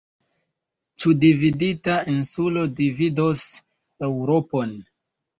Ĉu dividita insulo dividos Eŭropon?